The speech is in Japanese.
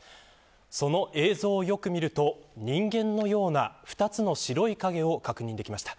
その映像をよく見ると人間のような２つの白い影を確認できました。